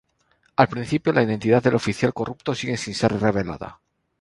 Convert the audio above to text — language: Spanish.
Al inicio la identidad del oficial corrupto sigue sin ser revelada.